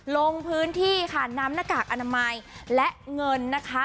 ลงพื้นที่ค่ะนำหน้ากากอนามัยและเงินนะคะ